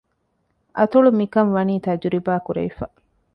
އަތޮޅުން މިކަން ވަނީ ތަޖުރިބާ ކުރެވިފަ